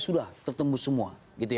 sudah tertemu semua